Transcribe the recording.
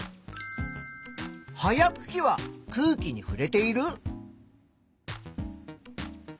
葉やくきは空気にふれている？